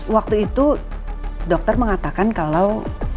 waktu itu dokter mengatakan kalau